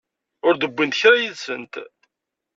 Ur d-wwint kra yid-sent.